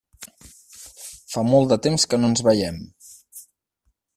Fa molt de temps que no ens veiem.